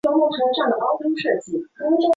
也是唯一由在阪局制作的节目。